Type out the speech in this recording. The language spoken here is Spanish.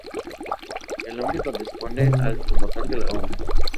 El nombre corresponde al promotor de la obra.